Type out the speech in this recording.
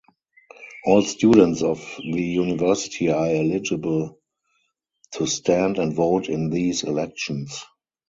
All students of the university are eligible to stand and vote in these elections.